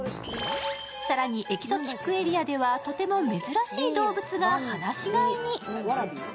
更にエキゾチックエリアではとても珍しい動物が放し飼いに。